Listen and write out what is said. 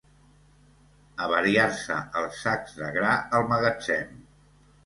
Avariar-se els sacs de gra al magatzem.